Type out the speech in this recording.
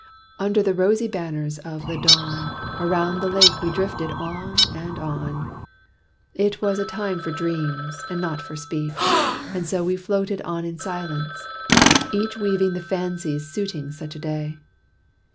Under the rosy banners of the "Dawn," Around the lake we drifted on, and on. It was a time for dreams, and not for speech. And so we floated on in silence, each Weaving the fancies suiting such a day.